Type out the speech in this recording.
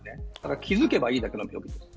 気付けばいいだけの病気です。